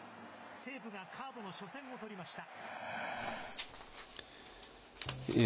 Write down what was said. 西武がカードの初戦を取りました。